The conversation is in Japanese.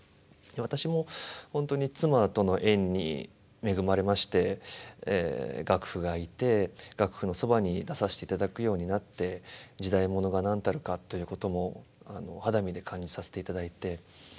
で私も本当に妻との縁に恵まれまして岳父がいて岳父のそばに出させていただくようになって時代物が何たるかということも肌身で感じさせていただいて。